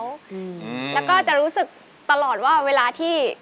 อืมแล้วก็จะรู้สึกตลอดว่าเวลาที่